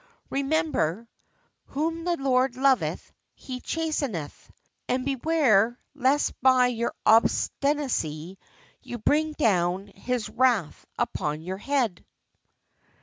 Remember, "whom the Lord loveth He chasteneth," and beware lest by your obstinacy you bring down His wrath upon your head.